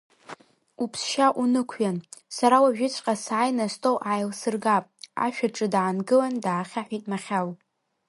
Уԥсшьа унықәиан, сара уажәыҵәҟьа сааины астол ааилсыргап, ашәаҿы даангылан даахьаҳәит Махьал.